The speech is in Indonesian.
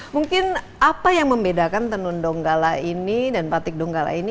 mungkin apa yang membedakan tenun donggala ini dan batik donggala ini